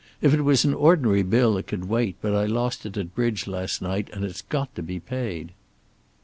"If it was an ordinary bill it could wait, but I lost it at bridge last night and it's got to be paid."